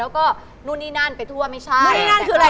แล้วก็นู่นนี่นั่นไปทั่วไม่ใช่